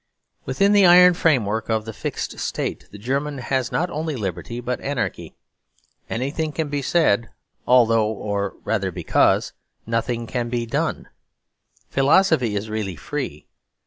Within the iron framework of the fixed State, the German has not only liberty but anarchy. Anything can be said although, or rather because, nothing can be done. Philosophy is really free.